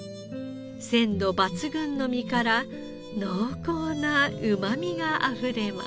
鮮度抜群の身から濃厚なうまみがあふれます。